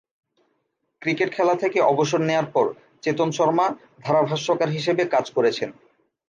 Cricket খেলা থেকে অবসর নেয়ার পর চেতন শর্মা ধারাভাষ্যকার হিসেবে কাজ করেছেন।